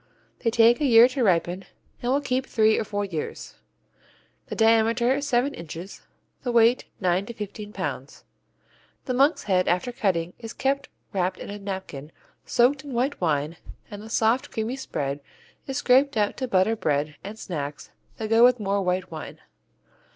They take a year to ripen and will keep three or four years. The diameter is seven inches, the weight nine to fifteen pounds. The monk's head after cutting is kept wrapped in a napkin soaked in white wine and the soft, creamy spread is scraped out to "butter" bread and snacks that go with more white wine.